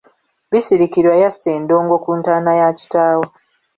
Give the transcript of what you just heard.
Bisirikirwa yassa eddogo ku ntaana ya kitaawe.